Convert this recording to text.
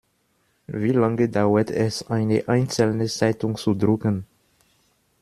Wie lange dauert es, eine einzelne Zeitung zu drucken?